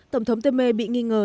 tổng thống temer bị nghi ngờ